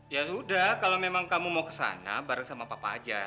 ya udah kalau memang kamu mau kesana bareng sama papa aja